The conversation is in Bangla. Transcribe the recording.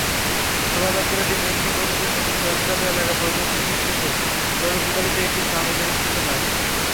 শোভাযাত্রাটি মেঘনা-গোমতী সেতুর টোলপ্লাজা এলাকা প্রদক্ষিণ শেষে টোলপ্লাজাতে একটি সমাবেশ অনুষ্ঠিত হয়।